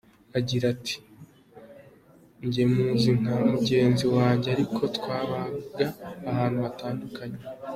Agira ati “Njye muzi nka mugenzi wanjye ariko twabaga ahantu hatandukanye”.